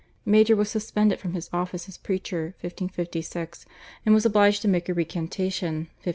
Major was suspended from his office as preacher (1556) and was obliged to make a recantation (1558).